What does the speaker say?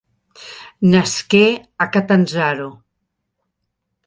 Nasqué a Catanzaro.